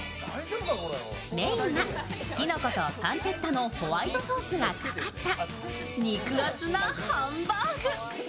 メインは、キノコとパンチェッタのホワイトソースがかかった肉厚なハンバーグ。